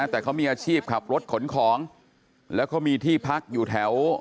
แต่เค้ามีอาชีพเผลอขับรถขนของแล้วก็มีที่พักอยู่แถวดอนแขวน